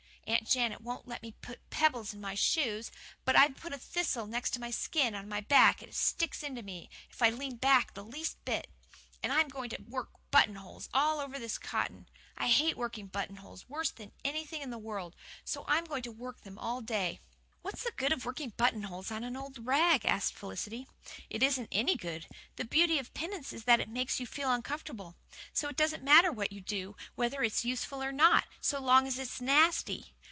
Aunt Janet won't let me put pebbles in my shoes, but I've put a thistle next my skin on my back and it sticks into me if I lean back the least bit. And I'm going to work buttonholes all over this cotton. I hate working buttonholes worse than anything in the world, so I'm going to work them all day." "What's the good of working buttonholes on an old rag?" asked Felicity. "It isn't any good. The beauty of penance is that it makes you feel uncomfortable. So it doesn't matter what you do, whether it's useful or not, so long as it's nasty.